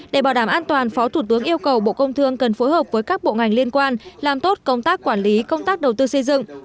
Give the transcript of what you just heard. để bảo đảm an toàn phó thủ tướng yêu cầu bộ công thương cần phối hợp với các bộ ngành liên quan làm tốt công tác quản lý công tác đầu tư xây dựng